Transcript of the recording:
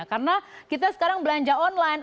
karena kita sekarang belanja online